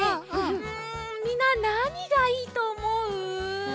うんみんななにがいいとおもう？